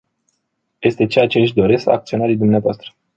Este ceea ce își doresc acționarii dvs.